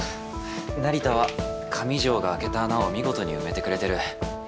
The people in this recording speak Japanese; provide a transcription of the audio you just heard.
成田は上条が空けた穴を見事に埋めてくれてる。